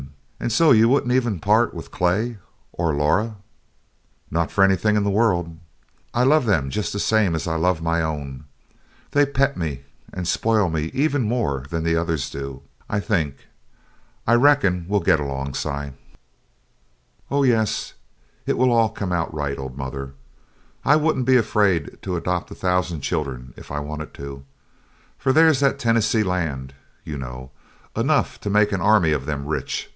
And so you wouldn't even part with Clay? Or Laura!" "Not for anything in the world. I love them just the same as I love my own: They pet me and spoil me even more than the others do, I think. I reckon we'll get along, Si." "Oh yes, it will all come out right, old mother. I wouldn't be afraid to adopt a thousand children if I wanted to, for there's that Tennessee Land, you know enough to make an army of them rich.